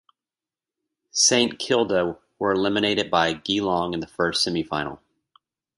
Saint Kilda were eliminated by Geelong in the first semi-final.